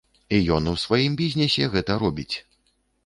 Ён у сваім бізнесе гэта робіць.